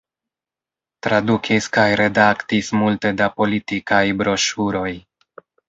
Tradukis kaj redaktis multe da politikaj broŝuroj.